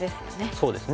そうですね。